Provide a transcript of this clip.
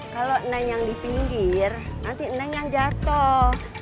kalau neng yang di pinggir nanti neng yang jatuh